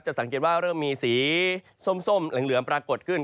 สังเกตว่าเริ่มมีสีส้มเหลืองปรากฏขึ้น